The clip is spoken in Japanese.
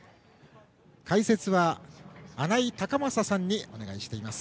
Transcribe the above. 解説は、穴井隆将さんにお願いしています。